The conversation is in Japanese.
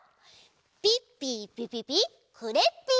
ピッピーピピピクレッピー！